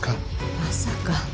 まさか。